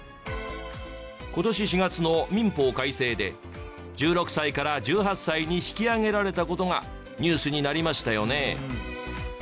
今年４月の民法改正で１６歳から１８歳に引き上げられた事がニュースになりましたよね。